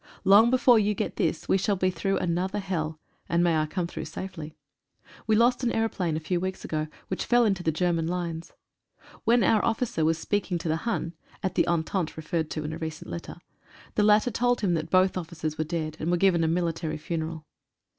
Long before you get this we shall be through another hell, and may I come through safely. We lost an aeroplane a few weeks ago, which fell into the German lines. When our officer was speaking to the Hun (at the entente referred to in a recent letter) the latter told him that both officers were dead, and were given a military funeral.